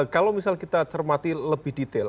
kalau misal kita cermati lebih detail